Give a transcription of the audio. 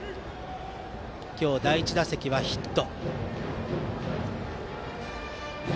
今日第１打席はヒット。